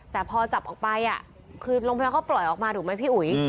แต่พอจับออกไปคือโรงพยาบาลเขาปล่อยออกมาถูกไหมพี่อุ๋ย